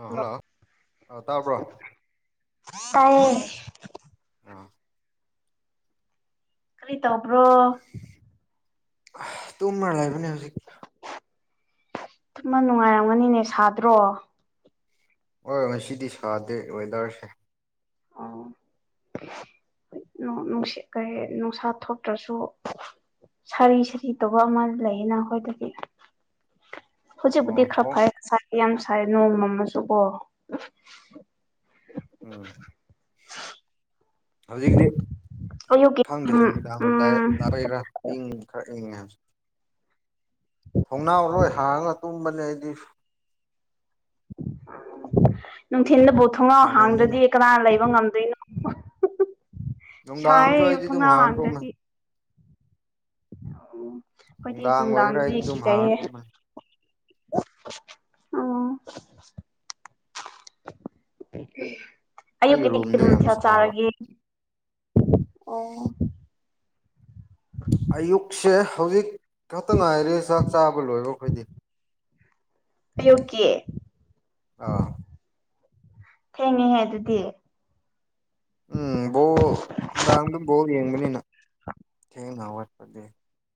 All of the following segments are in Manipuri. ꯑꯥ ꯍꯜꯂꯣ ꯑꯣ ꯇꯥꯕ꯭ꯔꯣ ꯇꯥꯏꯌꯦ ꯑꯥ ꯀꯔꯤ ꯇꯧꯄ꯭ꯔꯣ ꯇꯨꯝꯃ ꯂꯩꯕꯅꯦ ꯍꯧꯖꯤꯛ ꯇꯨꯝꯃ ꯅꯨꯡꯉꯥꯏꯔꯝꯒꯅꯤꯅꯦ ꯁꯥꯗ꯭ꯔꯣ ꯍꯣꯏ ꯉꯁꯤꯗꯤ ꯁꯥꯗꯦ ꯋꯦꯗꯔꯁꯦ ꯅꯨꯡꯁꯤ ꯀꯔꯤ ꯅꯨꯡꯁꯥ ꯊꯣꯛꯇ꯭ꯔꯁꯨ ꯁꯥꯔꯤ ꯁꯥꯔꯤ ꯇꯧꯕ ꯑꯃ ꯂꯩꯌꯦꯅ ꯑꯩꯈꯣꯏꯗꯗꯤ ꯑꯣ ꯍꯧꯖꯤꯕꯨꯗꯤ ꯈꯔ ꯊꯣꯡ ꯐꯩꯌꯦ ꯉꯁꯥꯏ ꯌꯥꯝ ꯁꯥꯏ ꯅꯣꯡ ꯃꯝ ꯑꯁꯨ ꯀꯣ ꯎꯝ ꯍꯧꯖꯤꯛꯇꯤ ꯑꯌꯨꯛꯀꯤ ꯈꯪꯗꯦ ꯎꯝ ꯅꯨꯃꯤꯗꯥꯡꯔꯝꯗꯥꯏ ꯎꯝ ꯗꯥꯏꯔꯝꯒꯤꯔ ꯈꯔꯥ ꯏꯤꯡ ꯈꯔꯦ [unintelligible] ꯊꯣꯡꯅꯥꯎ ꯂꯣꯏ ꯍꯥꯡꯉ ꯇꯨꯝꯕꯅꯦ ꯑꯩꯗꯤ [unintelligible] ꯅꯨꯡꯊꯤꯟꯗꯕꯨ ꯊꯣꯡꯅꯥꯎ ꯁꯥꯃꯟꯗꯅ ꯍꯥꯡꯗ꯭ꯔꯗꯤ ꯀꯅꯥ ꯂꯩꯕ ꯉꯝ ꯗꯣꯏꯅꯣ [unintelligible] ꯅꯨꯡꯗꯥꯡꯁꯨ ꯁꯥꯌꯦ [unintelligible] ꯑꯩꯗꯤ ꯑꯗꯨꯝ ꯊꯣꯡꯅꯥꯎ ꯍꯥꯡꯉ ꯇꯨꯝꯃꯦ ꯍꯥꯡꯗ꯭ꯔꯗꯤ [unintelligible] ꯈꯣꯏꯗꯤ ꯅꯨꯡꯗꯥꯡ ꯑꯣꯏꯒꯦꯔꯥ ꯑꯩꯗꯤ ꯅꯨꯡꯗꯥꯡꯗꯗꯤ ꯑꯗꯨꯝ ꯍꯥꯡꯉ ꯁꯤꯖꯩꯌꯦ ꯇꯨꯝꯕꯅꯤ ꯑꯣ ꯑꯩꯒꯤ ꯑꯌꯨꯛꯀꯤꯗꯤ ꯀꯔꯤ ꯔꯨꯝꯗꯣ ꯌꯥꯝ ꯃꯊꯦꯜ ꯁꯥꯕ ꯆꯥꯔꯒꯦ ꯑꯣ ꯑꯌꯨꯛꯁꯦ ꯍꯧꯖꯤꯛ ꯈꯛꯇ ꯉꯥꯏꯔꯦ ꯆꯥꯛ ꯆꯥꯕ ꯂꯣꯏꯕ ꯑꯈꯣꯏꯗꯤ ꯑꯌꯨꯛꯀꯤ ꯑꯥ ꯊꯦꯡꯉꯦꯍꯦ ꯑꯗꯨꯗꯤ ꯎꯝ ꯕꯣꯜ ꯅꯨꯡꯗꯥꯡꯗꯨ ꯕꯣꯜ ꯌꯦꯡꯕꯅꯤꯅ [unintelligible]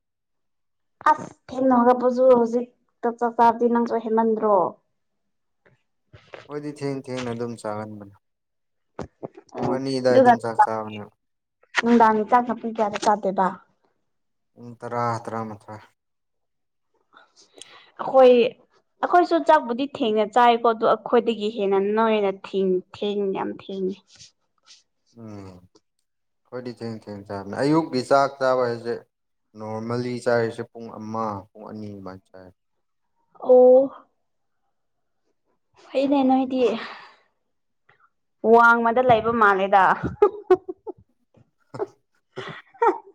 ꯑꯁ ꯊꯦꯡꯅ ꯍꯧꯒꯠꯄꯁꯨꯨ ꯍꯧꯖꯤꯛ ꯇ ꯆꯥꯛ ꯆꯥꯔꯗꯤ ꯅꯪꯁꯨ ꯍꯦꯃꯟꯗ꯭ꯔꯣ ꯈꯣꯏꯗꯤ ꯊꯦꯡ ꯊꯦꯡꯅ ꯑꯗꯨꯝ ꯆꯥꯍꯟꯕꯅꯦ ꯄꯨꯡ ꯑꯅꯤ ꯑꯗꯥꯏ ꯑꯗꯨꯒ ꯑꯗꯨꯝ ꯆꯥꯛ ꯆꯥꯕꯅꯦ ꯅꯨꯡꯗꯥꯡꯒꯤ ꯆꯥꯛꯅ ꯄꯨꯡ ꯀꯌꯥꯗ ꯆꯥꯗꯣꯏꯕꯥ ꯄꯨꯡ ꯇꯔꯥ ꯇꯔꯥꯃꯥꯊꯣꯏ [unintelligible] ꯑꯈꯣꯏ ꯑꯈꯣꯏꯁꯨ ꯆꯥꯛꯕꯨꯗꯤ ꯊꯦꯡꯅ ꯆꯥꯏꯀꯣ ꯑꯗꯨ ꯑꯈꯣꯏꯗꯒꯤ ꯍꯦꯟꯅ ꯅꯣꯏꯅ ꯊꯦꯡ ꯊꯦꯡ ꯌꯥꯝ ꯊꯦꯡ [unintelligible] ꯎꯝ ꯈꯣꯏꯗꯤ ꯊꯦꯡ ꯊꯦꯡꯅ ꯆꯥꯕꯅꯦ ꯑꯌꯨꯛꯀꯤ ꯆꯥꯛ ꯆꯥꯕ ꯍꯥꯏꯁꯦ ꯅꯣꯔꯃꯦꯜꯂꯤ ꯆꯥꯏꯔꯤꯁꯦ ꯄꯨꯡ ꯑꯃ ꯄꯨꯡ ꯑꯅꯤ ꯑꯗꯨꯃꯥꯏ ꯆꯥꯏ ꯑꯣ ꯐꯩꯅꯦ ꯅꯣꯏꯗꯤ ꯋꯥꯡꯃꯗ ꯂꯩꯕ ꯃꯥꯜꯂꯦꯗꯥ [unintelligible] [unintelligible]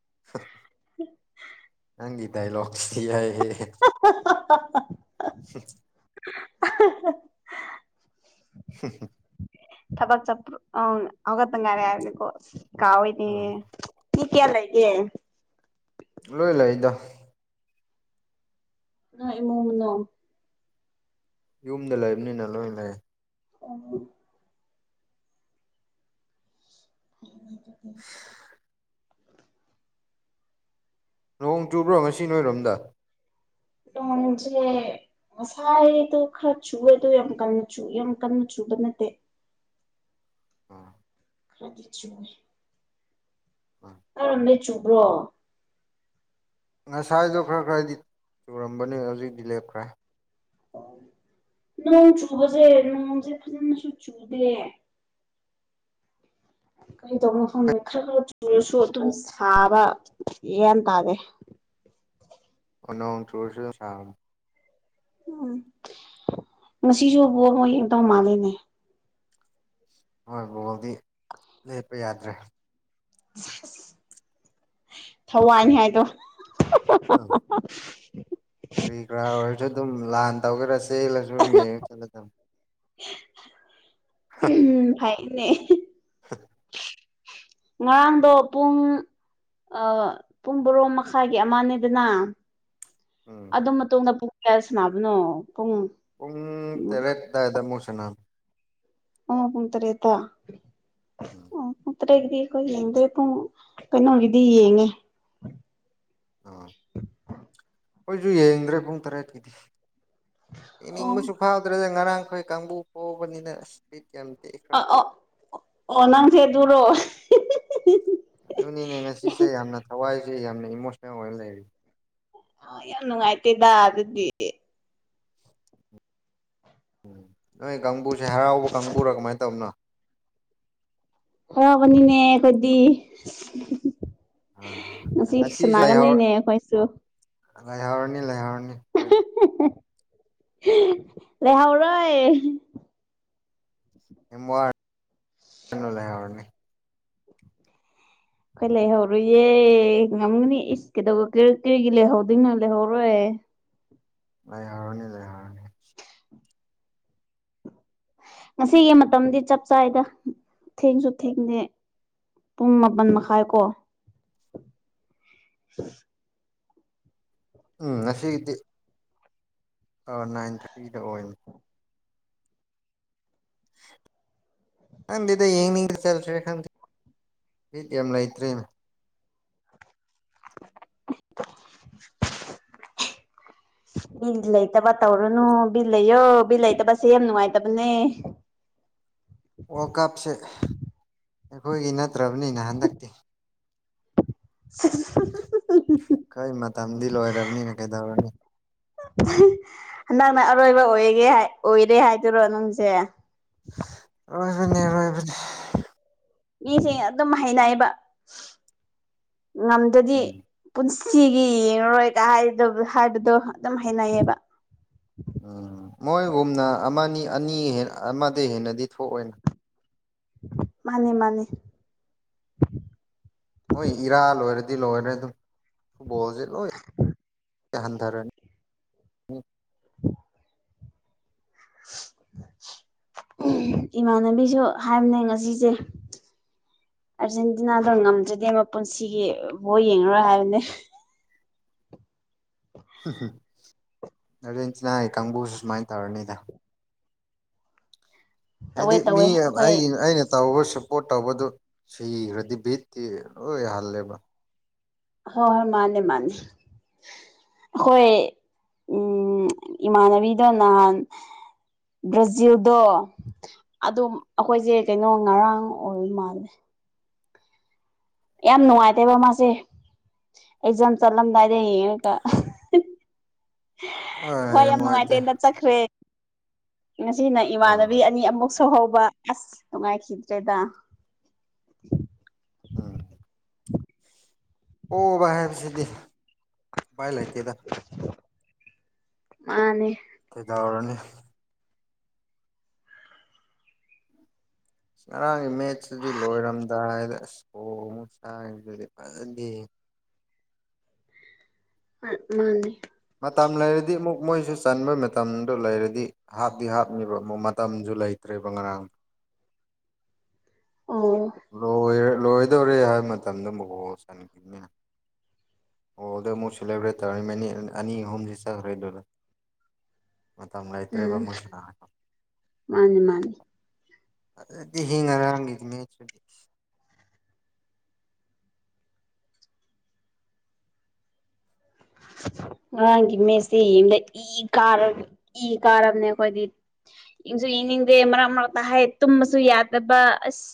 [unintelligible] [unintelligible] ꯅꯪꯒꯤ ꯗꯥꯏꯂꯣꯒꯁꯤ ꯌꯥꯏꯍꯦ [unintelligible] [unintelligible] ꯑꯍ ꯍꯥ [unintelligible] ꯊꯕꯛ ꯆꯠꯄ꯭ꯔꯣ [unintelligible] ꯍꯧꯒꯠꯇꯪ ꯉꯥꯢꯔꯦ ꯍꯥꯏꯕꯅꯦꯀꯣ ꯑꯁ ꯀꯥꯎꯋꯦꯅꯦ ꯑꯥ ꯃꯤ ꯀꯌꯥ ꯂꯩꯒꯦ ꯂꯣꯏ ꯂꯩꯥꯗꯥ ꯅꯣꯢ ꯏꯃꯨꯡ ꯃꯅꯨꯡ ꯌꯨꯝꯗ ꯂꯩꯕꯅꯤꯅ ꯂꯣꯏ ꯂꯩ [unintelligible] [unintelligible] ꯅꯣꯡ ꯆꯨꯕ꯭ꯔꯣ ꯉꯁꯤ ꯅꯣꯏꯔꯣꯝꯗ ꯅꯣꯡ ꯆꯨꯌꯦ ꯉꯁꯥꯏꯗꯣ ꯈꯔ ꯆꯨꯌꯦꯗꯣ ꯌꯥꯝ ꯀꯟ ꯆꯨ ꯌꯥꯝ ꯀꯟꯅ ꯆꯨꯕ ꯅꯠꯇꯦ ꯑꯥ ꯈꯔꯗꯤ ꯆꯨꯌꯦ ꯑꯥ ꯇꯥꯔꯝꯃꯦ ꯆꯨꯕ꯭ꯔꯣ ꯉꯁꯥꯏꯗꯣ ꯈꯔ ꯈꯔꯗꯤ ꯆꯨꯔꯝꯕꯅꯦ ꯍꯧꯖꯤꯛꯇꯤ ꯂꯦꯞꯈ꯭ꯔꯦ ꯅꯣꯡ ꯆꯨꯕꯁꯦ ꯅꯣꯡꯁꯦ ꯐꯖꯅꯁꯨ ꯆꯨꯗꯦ [inaudible] ꯀꯔꯤꯗꯧꯕꯅꯣ ꯈꯪꯗꯦ ꯈꯔ ꯈꯔ ꯆꯨꯔꯁꯨ ꯑꯗꯨꯝ ꯁꯥꯕ ꯒ꯭ꯌꯥꯟ ꯇꯥꯗꯦ [inaudible] ꯑꯣ ꯅꯣꯡ ꯆꯨꯔꯁꯨ ꯗꯨꯝ ꯁꯥꯕꯅꯦ ꯎꯝ ꯉꯁꯤꯁꯨ ꯕꯣꯜ ꯃꯣꯏ ꯌꯦꯡꯇꯧ ꯃꯥꯜꯂꯦꯅꯦ ꯍꯣꯏ ꯕꯣꯜꯗꯤ ꯂꯦꯞꯄ ꯌꯥꯗ꯭ꯔꯦ ꯊꯋꯥꯏꯅꯤ ꯍꯥꯏꯗꯣ ꯑꯧ ꯀꯔꯤ ꯀꯔꯥ ꯑꯣꯏꯔꯁꯨ ꯑꯗꯨꯝ ꯂꯥꯟ ꯇꯧꯒꯦꯔꯥ ꯆꯦꯜꯂꯁꯨ ꯑꯗꯨꯝ ꯌꯦꯡꯉ ꯆꯠꯂꯗꯝ [unintelligible] ꯎꯝ ꯐꯩꯅꯦ [unintelligible] ꯉꯔꯥꯡꯗꯣ ꯄꯨꯡ ꯑ ꯄꯨꯡ ꯕꯥꯔꯣꯝ ꯃꯈꯥꯏꯒꯤ ꯑꯃꯅꯦꯗꯅ ꯎꯝ ꯑꯗꯨ ꯃꯇꯨꯡꯗ ꯄꯨꯡ ꯀ꯭ꯌꯥ ꯁꯥꯅꯕꯅꯣ ꯄꯨꯡ ꯇꯔꯦꯠ ꯗꯥꯏꯗ ꯃꯨꯛ ꯁꯥꯅꯝ ꯑꯣ ꯄꯨꯡ ꯇꯔꯦꯠꯇ ꯎꯝ ꯑꯣ ꯄꯨꯡ ꯇꯔꯦꯠꯀꯤꯗꯤ ꯑꯩꯈꯣꯏ ꯌꯦꯡꯗꯦ ꯄꯨꯡ ꯀꯩꯅꯣꯒꯤꯗꯤ ꯌꯦꯡꯉꯦ ꯑꯥ ꯈꯣꯏꯖꯨ ꯌꯦꯡꯗ꯭ꯔꯦ ꯄꯨꯡ ꯇꯔꯦꯠꯀꯤꯗꯤ ꯑꯣ ꯌꯦꯡꯅꯤꯡꯕꯁꯨ ꯐꯥꯎꯗ꯭ꯔꯦꯗ ꯉꯔꯥꯡ ꯈꯣꯏ ꯀꯥꯡꯕꯨ ꯄꯣꯍꯧꯕꯅꯤꯅ ꯑꯁ ꯕꯤꯠ ꯌꯥꯝ ꯑ ꯑ ꯇꯦꯛꯈ꯭ꯔꯕ ꯑꯣ ꯑꯣ ꯅꯪꯁꯦ ꯗꯨꯔꯣ ꯑꯗꯨꯅꯤꯅꯦ ꯉꯁꯤꯁꯦ ꯌꯥꯝꯅ ꯊꯋꯥꯏꯁꯦ ꯌꯥꯝꯅ ꯏꯃꯣꯁꯅꯦꯜ ꯑꯣꯏꯔ ꯂꯩꯔꯤ ꯑ ꯌꯥꯝ ꯅꯨꯡꯉꯥꯏꯇꯦꯗ ꯑꯗꯨꯗꯤ ꯎꯝ ꯅꯣꯏ ꯀꯥꯡꯕꯨꯁꯦ ꯍꯔꯥꯎꯕ ꯀꯥꯡꯕꯨꯔ ꯀꯃꯥꯏ ꯇꯧꯕꯅꯣ ꯋꯥꯕꯅꯤꯅꯦ ꯈꯣꯢꯗꯤ ꯑꯥ ꯉꯁꯤ ꯉꯁꯤꯁꯦ ꯂꯩꯍꯧꯔ ꯁꯅꯥꯒꯅꯤꯅꯦ ꯑꯩꯈꯣꯏꯁꯨ ꯂꯩꯍꯧꯔꯅꯤ ꯂꯩꯍꯧꯔꯅꯤ ꯍꯣꯔꯦꯟ ꯂꯦꯍꯥꯎꯔꯣꯏ ꯀꯦꯝ ꯋꯥꯅꯨ ꯂꯩꯍꯧꯔꯅꯤ ꯈꯣꯏ ꯂꯩꯍꯧꯔꯣꯢꯌꯦ ꯉꯝꯒꯅꯤ ꯏꯁ ꯀꯩꯗꯧꯕ ꯀ꯭ꯔꯤ ꯀꯔꯤꯒꯤ ꯂꯩꯍꯧꯗꯣꯏꯅꯣ ꯂꯩꯍꯧꯔꯣꯏ ꯑꯦ ꯂꯩꯍꯧꯔꯅꯤ ꯂꯩꯍꯧꯔꯅꯤ ꯉꯁꯤꯒꯤ ꯃꯇꯝꯗꯤ ꯆꯞ ꯆꯥꯥꯏꯗ ꯊꯦꯡꯁꯨ ꯊꯦꯡꯗꯦ ꯄꯨꯡ ꯃꯥꯄꯟ ꯃꯈꯥꯏ ꯀꯣ ꯎꯝ ꯉꯁꯤꯒꯤꯗꯤ ꯑ ꯅꯥꯏꯟ ꯊꯥꯔꯇꯤꯗ ꯑꯣꯏꯅ [inaudible] ꯈꯪꯗꯦꯗ ꯌꯦꯡꯅꯤꯡ ꯆꯜꯇ꯭ꯔꯦ ꯈꯪꯗꯦ ꯕꯤꯠ ꯌꯥꯝ ꯂꯩꯇ꯭ꯔꯦꯅꯦ [inaudible] ꯕꯤ ꯂꯩꯇꯕ ꯇꯧꯔꯅꯨ ꯕꯤꯜ ꯂꯩꯌꯣ ꯕꯤꯠ ꯂꯩꯇꯕꯁꯦ ꯌꯥꯝ ꯅꯨꯡꯉꯥꯏꯇꯕꯅꯦ [inaudible] ꯋꯥꯔꯜ ꯀꯞꯁꯦ ꯑꯩꯈꯣꯏꯒꯤ ꯅꯠꯇ꯭ꯔꯕꯅꯤꯅ ꯍꯟꯗꯛꯇꯤ [unintelligible] ꯈꯣꯏ ꯃꯇꯝꯗꯤ ꯂꯣꯏꯔꯕꯅꯤꯅ ꯀꯩꯗꯧꯔꯨꯅꯤ [unintelligible] ꯍꯟꯗꯛꯅ ꯑꯔꯣꯏꯕ ꯑꯣꯏꯒꯦ ꯍꯥꯢ ꯑꯣꯏꯔꯦ ꯍꯥꯏꯗꯨꯔꯣ ꯅꯪꯖꯦ ꯑꯩꯖꯨꯅꯦ ꯔꯣꯏꯕꯅꯦ ꯃꯤꯁꯤꯡ ꯑꯗꯨꯝ ꯍꯩꯅꯩꯌꯦꯕ ꯉꯝꯗꯗꯤ ꯎꯝ ꯄꯨꯟꯁ ꯁꯤꯒꯤ ꯌꯦꯡꯉꯔꯣꯏꯒꯥ ꯍꯥꯏꯕꯗꯨ ꯍꯥꯏꯕꯗꯣ ꯑꯗꯨꯝ ꯍꯥꯏꯅꯩꯌꯦꯕ ꯎꯝ ꯃꯣꯏꯒꯨꯝꯅ ꯑꯃꯅꯤ ꯑꯅꯤ ꯑꯃꯗ ꯍꯦꯟꯅꯗꯤ ꯊꯣꯛꯑꯣꯏꯅ ꯃꯥꯅꯤ ꯃꯥꯅꯤ ꯅꯣꯏ ꯏꯔꯥ ꯂꯣꯏꯔꯗꯤ ꯂꯣꯏꯔꯦ ꯑꯗꯨꯝ ꯐꯨꯠꯕꯣꯜꯖꯦ ꯂꯣꯏ ꯍꯟꯊꯔꯅꯤ [inaudible] [inaudible] ꯏꯃꯥꯟꯅꯕꯤꯁꯨ ꯍꯥꯏꯝꯅꯦ ꯉꯁꯤꯁꯦ ꯑꯥꯔꯖꯦꯟꯇꯤꯅꯥꯗꯣ ꯉꯝꯗ꯭ꯔꯗꯤ ꯃꯄꯨꯟꯁꯤꯒꯤ ꯕꯣꯜ ꯌꯦꯡꯉꯔꯣꯏ ꯍꯥꯏꯕꯅꯦ ꯑꯥꯔꯖꯦꯟꯇꯤꯅꯥꯒꯤ ꯀꯥꯡꯕꯨꯁꯨ ꯁꯨꯃꯥꯏ ꯇꯧꯔꯅꯤꯗ ꯍꯥꯏꯗꯤ ꯇꯧꯋꯦ ꯃꯤ ꯇꯧꯋꯦ ꯑꯩꯈꯣꯏ ꯑꯩ ꯑꯩꯅ ꯇꯧꯕ ꯁꯞꯄꯣꯔꯠ ꯇꯧꯕꯗꯣ ꯁꯤꯈ꯭ꯔꯗꯤ ꯕꯤꯠꯇꯤ ꯂꯣꯏ ꯍꯜꯂꯦꯕ ꯍꯣꯍꯣꯏ ꯃꯥꯅꯦ ꯃꯥꯅꯦ ꯑꯈꯣꯏ ꯎꯝ ꯏꯃꯥꯟꯅꯕꯤꯗꯣ ꯅꯍꯥꯟ ꯕ꯭ꯔꯥꯖꯤꯜꯗꯣ ꯑꯗꯨꯝ ꯑꯈꯣꯏꯖꯦ ꯀꯩꯅꯣ ꯉꯔꯥꯡ ꯑꯣꯏꯔ ꯃꯥꯜꯂꯦ ꯌꯥꯝ ꯅꯨꯡꯉꯥꯏꯇꯦꯕ ꯃꯥꯁꯦ ꯑꯦꯛꯖꯥꯝ ꯆꯠꯂꯝꯗꯥꯏꯗ ꯌꯦꯡꯉꯒ ꯑ ꯍꯣꯏ ꯌꯥꯝ ꯅꯨꯡꯉꯥꯏꯇꯦ ꯅꯨꯡꯉꯥꯏꯇꯦꯗ ꯆꯠꯈ꯭ꯔꯦ ꯉꯁꯤꯅ ꯑꯥ ꯏꯃꯥꯟꯅꯕꯤ ꯑꯅꯤ ꯑꯃꯨꯛꯁꯨ ꯇꯧꯍꯧꯕ ꯑꯁ ꯅꯨꯡꯉꯥꯏꯈꯤꯗ꯭ꯔꯦꯗ ꯎꯝ ꯑꯣꯕ ꯍꯥꯏꯕꯁꯤꯗꯤ ꯎꯄꯥꯏ ꯂꯩꯇꯦꯗ ꯃꯥꯅꯦ ꯀꯩꯗꯧꯔꯨꯅꯤ ꯉꯔꯥꯡꯒꯤ ꯃꯦꯠꯁꯇꯨꯗꯤ ꯂꯣꯏꯔꯝꯗꯥꯏꯗ ꯑꯁ ꯐꯣꯜ ꯑꯃꯨꯛ ꯆꯥꯢꯗꯨꯗꯤ ꯐꯖꯗꯦꯍꯦ ꯍꯣꯢ ꯃꯥꯅꯦ ꯃꯇꯝ ꯂꯩꯔꯗꯤ ꯑꯃꯨꯛ ꯃꯣꯏꯁꯨ ꯆꯟꯕ ꯃꯇꯝꯗꯨ ꯂꯩꯔꯗꯤ ꯍꯥꯞꯗꯤ ꯍꯥꯞꯅꯤꯕ ꯃꯨꯛ ꯃꯇꯝꯖꯨ ꯂꯩꯇ꯭ꯔ ꯔꯦꯕ ꯉꯔꯥꯡ ꯑꯣ ꯂꯣꯏꯔꯦ ꯂꯣꯏꯗꯧꯔꯦ ꯍꯥꯏꯕ ꯃꯇꯝꯗ ꯑꯃꯨꯛ ꯒꯣꯜ ꯆꯟꯒꯤꯝꯅꯤꯅ ꯑꯣ ꯑꯗꯨ ꯑꯃꯨꯛ ꯁꯦꯂꯦꯕ꯭ꯔꯦꯠ ꯇꯧꯔꯝꯃꯅꯤ ꯑꯗꯨꯅ ꯑꯅꯤ ꯑꯍꯨꯝꯖꯤ ꯆꯠꯈ꯭ꯔꯦꯗꯨꯔꯥ ꯃꯇꯝ ꯂꯩꯇ꯭ꯔꯦꯕ ꯎꯝ ꯃꯣꯏꯁꯥ ꯃꯥꯅꯤ ꯃꯥꯅꯤ ꯐꯖꯗꯦꯍꯦ ꯉꯔꯥꯡꯒꯤ ꯃꯦꯠꯁꯇꯨꯗꯤ ꯢꯁ [inaudible] ꯉꯔꯥꯡꯒꯤ ꯃꯦꯠꯁꯗꯤ ꯌꯦꯡꯂꯛꯏ ꯀꯥꯔꯒ ꯏ ꯀꯥꯔꯝꯅꯦ ꯑꯈꯣꯏꯗꯤ ꯌꯦꯡꯁꯨ ꯌꯦꯡꯅꯤꯡꯗꯦ ꯃꯔꯛ ꯃꯔꯛꯇ ꯍꯥꯏ ꯇꯨꯝꯕꯁꯨ ꯌꯥꯗꯕ ꯑꯁ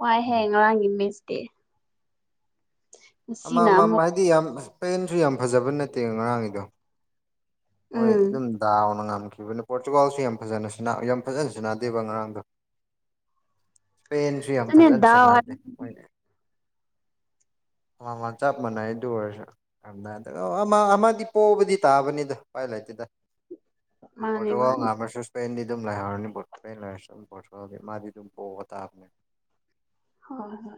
ꯋꯥꯏꯍꯦ ꯉꯔꯥꯡꯒꯤ ꯃꯤꯁꯠꯇꯤ ꯑꯃꯃꯝ ꯑꯃꯨꯛ ꯍꯥꯏꯗꯤ ꯌꯥꯝ ꯁ꯭ꯄꯦꯟꯖꯨ ꯌꯥꯝ ꯐꯖꯕ ꯅꯠꯇꯦ ꯉꯥꯔꯥꯡꯒꯤꯗꯣ ꯃꯣꯏ ꯎꯝ ꯑꯗꯨꯝ ꯗꯥꯎꯅ ꯉꯝ ꯉꯝꯈꯤꯕꯅꯤ ꯄꯣꯔꯇꯨꯒꯥꯜꯁꯨ ꯌꯥꯝ ꯐꯖꯅ ꯁꯅꯥ ꯌꯥꯝ ꯐꯖꯅ ꯁꯥꯟꯅꯗꯦꯕ ꯉꯔꯥꯡꯗꯣ ꯄꯦꯟꯖꯨ ꯌꯥꯝ ꯑꯗꯨꯅꯦ ꯐꯖꯅ ꯗꯥꯎ ꯍꯥꯏ ꯁꯅꯥꯗꯦ ꯃꯣꯏ ꯑꯝ ꯃꯝ ꯆꯞ ꯃꯥꯟꯅꯩ ꯑꯗꯨ ꯑꯣꯏꯔꯖꯨ ꯌꯥꯝ ꯑꯃꯗꯤ ꯄꯣꯕꯗꯤ ꯇꯥꯕꯅꯤꯗ ꯎꯄꯥꯏ ꯂꯩꯥꯏꯇꯦꯗ ꯃꯥꯅꯦ ꯄꯣꯔꯇꯨꯒꯥꯜ ꯃꯥꯅꯦ ꯉꯥꯛꯁꯨ ꯁꯄꯦꯟꯗꯤ ꯑꯗꯨꯝ ꯂꯥꯏꯍꯧꯔꯅꯤ ꯄꯣꯔ ꯂꯩꯔꯁꯨ ꯄꯣꯔꯇꯨꯒꯜꯗꯤ ꯃꯥꯗꯤ ꯑꯗꯨꯝ ꯄꯣꯕꯇꯥꯕꯅꯤ ꯍꯣꯏ ꯍꯣꯏ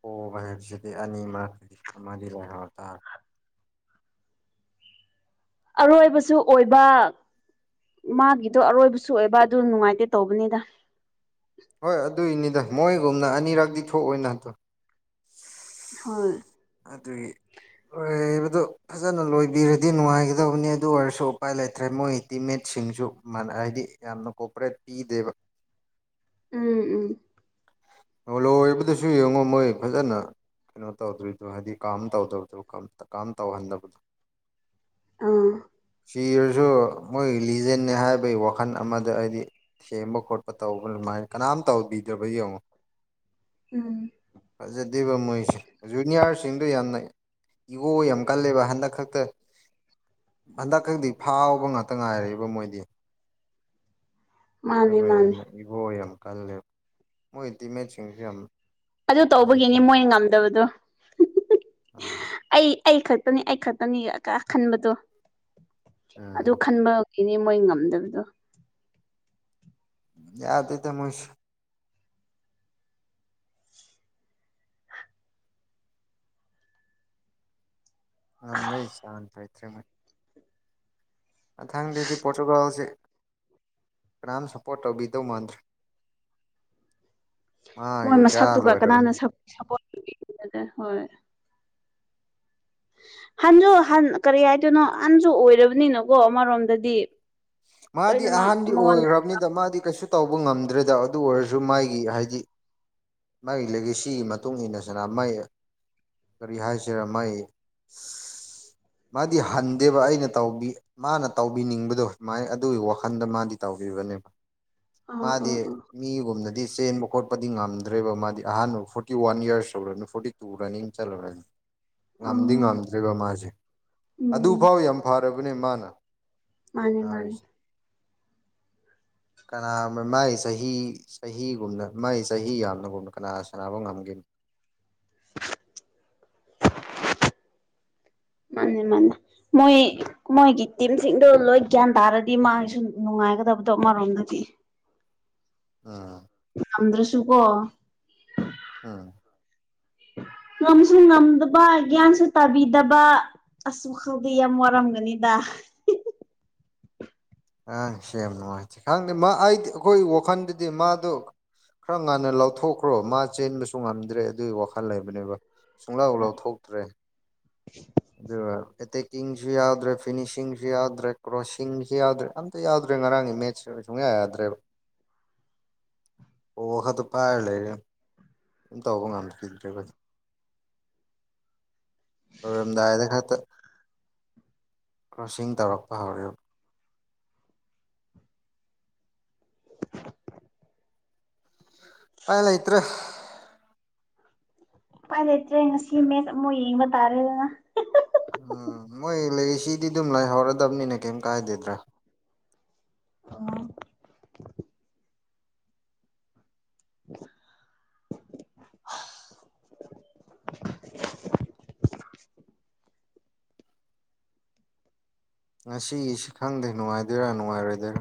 ꯄꯣꯕꯥ ꯍꯥꯏꯕꯁꯤꯗꯤ ꯑꯅꯤꯃꯛ ꯑꯃꯗꯤ ꯂꯩꯍꯧꯇꯕꯅꯤ [inaudible] ꯑꯔꯣꯏꯕꯁꯨ ꯑꯣꯏꯕ ꯃꯥꯒꯤꯗꯣ ꯑꯔꯣꯏꯕꯁꯨ ꯑꯣꯏꯕ ꯑꯗꯨ ꯅꯨꯡꯉꯥꯏꯇꯦ ꯇꯧꯕꯅꯤꯗ ꯍꯣꯏ ꯑꯗꯨꯏꯅꯤꯗ ꯃꯣꯏꯒꯨꯝꯅ ꯑꯅꯤꯔꯛꯗꯤ ꯊꯣꯛꯑꯣꯏꯅ ꯑꯗꯣ ꯍꯣꯏ ꯑꯗꯨꯏ ꯍꯣꯏꯕꯗꯣ ꯐꯖꯅ ꯂꯣꯏꯕꯤꯔꯗꯤ ꯅꯨꯡꯉꯥꯏꯒꯗꯕꯅꯤ ꯑꯗꯨ ꯑꯣꯏꯔꯁꯨ ꯎꯄꯥꯏ ꯂꯩꯇ꯭ꯔꯦ ꯃꯣꯏ ꯇꯤꯃꯦꯠ ꯁꯤꯡꯁꯨ ꯍꯥꯏꯗꯤ ꯌꯥꯝꯅ ꯀꯣꯑꯣꯄꯔꯦꯠ ꯄꯤꯗꯦꯕ ꯎꯝ ꯎꯝ ꯂꯣꯏꯕꯗꯁꯨ ꯌꯦꯡꯉꯣ ꯃꯣꯏ ꯐꯖꯅ ꯀꯩꯅꯣ ꯇꯧꯗ꯭ꯔꯤꯗꯣ ꯍꯥꯏꯗꯤ ꯀꯥꯝ ꯇꯧꯗꯕꯗꯨ ꯀꯥꯝ ꯇꯧꯍꯟꯗꯕꯗꯣ ꯑꯥ ꯁꯤꯔꯁꯨ ꯃꯣꯏꯒꯤ ꯂꯤꯖꯦꯟꯅꯦ ꯍꯥꯏꯕꯒꯤ ꯋꯥꯈꯜ ꯑꯃꯗ ꯍꯥꯏꯗꯤ ꯁꯦꯝꯕ ꯈꯣꯠꯄ ꯇꯧꯕ ꯑꯗꯨꯃꯥꯏꯅ ꯀꯅꯥꯝ ꯇꯧꯕꯤꯗ꯭ꯔꯕ ꯌꯦꯡꯉꯣ ꯎꯝ ꯐꯖꯗꯦꯕ ꯃꯣꯏꯁꯦ ꯖꯨꯅꯤꯌꯔꯁꯤꯡꯗꯣ ꯌꯥꯝꯅ ꯏꯒꯣ ꯌꯥꯝ ꯀꯜꯂꯦꯕ ꯍꯟꯗꯛ ꯈꯛꯇ ꯍꯟꯗꯛ ꯈꯪꯗꯤ ꯐꯥꯎꯕ ꯉꯥꯛꯇ ꯉꯥꯏꯔꯦꯕ ꯃꯣꯏꯗꯤ ꯃꯥꯅꯦ ꯑꯗꯨꯒ ꯃꯥꯅꯦ ꯌꯥꯝꯅ ꯏꯒꯣ ꯌꯥꯝ ꯀꯜꯂꯦ ꯃꯣꯏ ꯇꯤꯃꯦꯠꯁꯤꯡꯁꯨ ꯌꯥꯝ ꯑꯗꯨ ꯐꯖꯗꯦ ꯇꯧꯕꯒꯤꯅꯤ ꯃꯣꯏ ꯉꯝꯗꯕꯗꯣ ꯍꯤꯍꯤꯍꯤ ꯑꯥ ꯑꯩ ꯑꯩ ꯈꯛ ꯈꯛꯇꯅꯤ ꯑꯩ ꯈꯛꯇꯅꯤ ꯈꯟꯕꯗꯣ ꯎꯝ ꯑꯗꯨ ꯈꯟꯕ ꯏꯅꯦ ꯃꯣꯏ ꯉꯝꯗꯕꯗꯣ ꯌꯥꯗꯦꯗꯥ ꯃꯣꯏꯁꯦ [unintelligible] ꯃꯊꯪꯗꯗꯤ ꯄꯣꯔꯇꯨꯒꯜꯁꯦ ꯀ꯭ꯅꯥꯝ ꯁꯄꯣꯠ ꯇꯧꯕꯤꯗꯧ ꯃꯥꯟꯗ꯭ꯔꯦ ꯃꯣꯏ ꯃꯥꯒꯤ ꯏꯔꯥ ꯃꯁꯛꯇꯨꯒ ꯂꯣꯏꯔꯕꯅꯤ ꯀꯅꯥꯅ ꯁꯥ ꯁꯄꯣꯠ ꯇꯧꯕꯤꯅꯤꯡꯒꯗ꯭ꯔꯥ ꯍꯣꯏ ꯍꯟꯖꯨ ꯍꯟ ꯀꯔꯤ ꯍꯥꯏꯗꯣꯏꯅꯣ ꯍꯟꯖꯨ ꯑꯣꯏꯔꯕꯅꯤꯅꯀꯣ ꯑꯃꯔꯣꯝꯗꯗꯤ ꯃꯥꯗꯤ ꯂꯣꯏꯅꯃꯛ ꯑꯍꯥꯟꯗꯤ ꯃꯉꯣꯟꯗ ꯑꯣꯏꯒ꯭ꯔꯕꯅꯤꯗ ꯃꯥꯗꯤ ꯀꯩꯁꯨ ꯇꯧꯕ ꯉꯝꯗ꯭ꯔꯦꯗ ꯑꯗꯨ ꯑꯣꯏꯔꯖꯨ ꯃꯥꯒꯤ ꯍꯥꯏꯗꯤ ꯃꯩꯒꯤ ꯂꯤꯒꯦꯁꯤꯒꯤ ꯃꯇꯨꯡ ꯏꯟꯅ ꯁꯥꯟꯅ ꯃꯥꯏ ꯀꯔꯤ ꯍꯥꯏꯁꯤꯔꯥ ꯃꯥꯏ ꯃꯥꯗꯤ ꯍꯟꯗꯦꯕ ꯑꯩꯅ ꯇꯧꯕꯤ ꯃꯥꯅ ꯇꯧꯕꯤꯅꯤꯡꯕꯗꯣ ꯥꯃꯥꯏ ꯑꯗꯨꯒꯤ ꯋꯥꯈꯟꯗ ꯃꯥꯗꯤ ꯇꯧꯕꯤꯕꯅꯦꯕ ꯑ ꯑ ꯑ ꯃꯥꯗꯤ ꯑ ꯃꯤꯒꯨꯝꯅ ꯗꯤ ꯆꯦꯟꯕ ꯈꯣꯠꯄꯗꯤ ꯉꯝꯗ꯭ꯔꯦꯕ ꯃꯥꯗꯤ ꯑꯍꯥꯟꯕ ꯐꯣꯔꯇꯤ ꯋꯥꯟ ꯌꯔꯁ ꯍꯧꯔꯅꯤ ꯐꯣꯔꯇꯤ ꯇꯨ ꯔꯅꯤꯡ ꯆꯜꯂꯝꯃꯅꯤ ꯉꯝꯗꯤ ꯎꯝ ꯉꯥꯝꯗ꯭ꯔꯦꯕ ꯃꯥꯖꯦ ꯎꯝ ꯑꯗꯨꯐꯥꯎ ꯌꯥꯝ ꯐꯔꯕꯅꯦ ꯃꯥꯅ ꯃꯥꯅꯦ ꯃꯥꯅꯦ ꯁꯥꯟꯅꯔꯤꯁꯦ [inaudible] ꯀꯅꯥ ꯃꯥꯏ ꯆꯍꯤ ꯆꯍꯤꯒꯨꯝꯅ ꯃꯥꯏ ꯆꯍꯤ ꯌꯥꯝꯅꯒꯨꯝꯅ ꯀꯅꯥ ꯁꯥꯟꯅꯕ ꯉꯝꯒꯦꯅꯦ [inaudible] [inaudible] ꯃꯥꯅꯦ ꯃꯣꯏ ꯃꯣꯏꯒꯤ ꯇꯤꯝꯁꯤꯡꯗꯣ ꯂꯣꯏ ꯒ꯭ꯌꯥꯟ ꯇꯥꯔꯗꯤ ꯃꯥꯁꯨ ꯅꯨꯡꯉꯥꯏꯒꯗꯕꯅꯦ ꯇꯣꯞ ꯑꯃꯔꯣꯝꯗꯗꯤ ꯑ ꯉꯝꯗ꯭ꯔꯁꯨ ꯀꯣ ꯑꯝ ꯉꯝꯁꯨ ꯉꯝꯗꯕ ꯒ꯭ꯌꯥꯟꯁꯨ ꯇꯥꯕꯤꯗꯕ ꯑꯁ ꯋꯥꯈꯜꯗꯤ ꯌꯥꯝ ꯋꯥꯔꯝꯒꯅꯤꯗ [inaudible] ꯉꯔꯥꯡꯁꯦ ꯌꯥꯝ ꯅꯨꯡꯉꯥꯏꯇꯦ ꯈꯪꯗꯦ ꯃꯥ ꯑꯩꯗꯤ ꯑꯩꯈꯣꯏ ꯋꯥꯈꯜꯗꯗꯤ ꯃꯥꯗꯣ ꯈꯔ ꯉꯥꯟꯅ ꯂꯧꯊꯣꯛꯈ꯭ꯔꯣ ꯃꯥ ꯆꯦꯟꯕꯁꯨ ꯉꯝꯗ꯭ꯔꯦ ꯑꯗꯨꯒꯤ ꯋꯥꯈꯜ ꯂꯩꯕꯅꯦꯕ ꯁꯨꯡꯂꯥꯎ ꯂꯥꯎꯊꯣꯛꯇ꯭ꯔꯦ ꯑꯗꯨꯒ ꯑꯦꯇꯦꯛ ꯀꯤꯡꯁꯨ ꯌꯥꯎꯗ꯭ꯔꯦ ꯐꯤꯅꯤꯁꯤꯡꯁꯨ ꯌꯥꯗ꯭ꯔꯦ ꯀ꯭ꯔꯣꯁꯤꯡꯁꯨ ꯌꯥꯗ꯭ꯔꯦ ꯑꯝꯇ ꯌꯥꯗ꯭ꯔꯦ ꯉꯔꯥꯡꯒꯤ ꯃꯦꯠꯁ ꯇꯣ ꯁꯨꯡꯌꯥ ꯌꯥꯗ꯭ꯔꯦꯕ ꯕꯣꯜ ꯈꯛꯇ ꯄꯥꯢꯔ ꯂꯩꯔꯦ ꯑꯗꯨꯝ ꯇꯧꯕ ꯉꯝꯈꯤꯗ꯭ꯔꯦꯕ ꯂꯣꯏꯔꯝꯗꯥꯏꯗ ꯈꯛꯇ ꯀ꯭ꯔꯣꯁꯤꯡ ꯇꯧꯔꯛꯄ ꯍꯧꯔꯛꯑꯦꯕ ꯎꯄꯥꯏ ꯂꯩꯇ꯭ꯔꯦ ꯎꯄꯥꯏ ꯂꯩꯇ꯭ꯔꯦ ꯉꯁꯤ ꯃꯦꯠꯆ ꯑꯃꯨꯛ ꯌꯦꯡꯕ ꯇꯥꯔꯦꯗꯅ ꯎꯝ ꯃꯣꯏ ꯂꯩꯔꯤꯁꯤꯗꯤ ꯑꯗꯨꯝ ꯂꯩꯍꯧꯔꯗꯕꯅꯤꯅ ꯀꯩꯝ ꯀꯥꯏꯗꯦꯗꯥ ꯑꯣ ꯍꯍꯍ [inaudible] ꯉꯁꯤꯒꯤꯁꯤ ꯈꯪꯗꯦ ꯅꯨꯡꯉꯥꯏꯗꯣꯏꯔꯥ ꯅꯨꯡꯉꯥꯏꯔꯣꯏꯗꯣꯏꯔꯥ